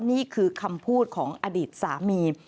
นี่คือคำพูดของอดีตสามี